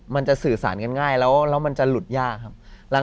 มันจะสื่อสารกันง่ายแล้วมันจะหลุดยากครับ